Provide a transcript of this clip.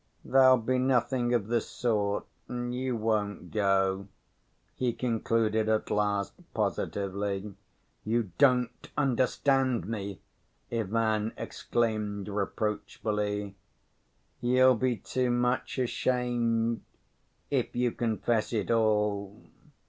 "There'll be nothing of the sort, and you won't go," he concluded at last positively. "You don't understand me," Ivan exclaimed reproachfully. "You'll be too much ashamed, if you confess it all.